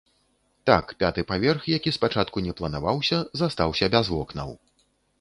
Так, пяты паверх, які спачатку не планаваўся, застаўся без вокнаў.